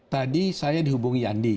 tadi saya dihubungi yandi